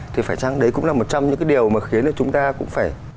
thì phải chăng đấy cũng là một trong những cái điều mà khiến là chúng ta cũng phải